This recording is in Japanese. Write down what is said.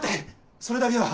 それだけは！